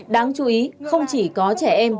đáng chú ý không chỉ có trẻ em